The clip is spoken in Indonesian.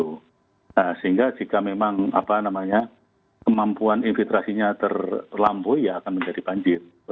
nah sehingga jika memang apa namanya kemampuan infiltrasinya terlampau ya akan menjadi banjir